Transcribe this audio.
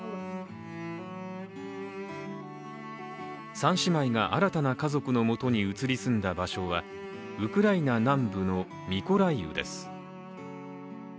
３姉妹が新たな家族のもとに移り住んだ場所はウクライナ南部のミコライウです。